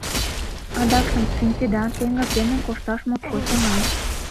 Адакшым, шинчеда, теҥыз дене кошташ моткоч оҥай.